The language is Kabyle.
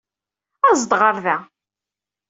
Aẓ-d ɣer da.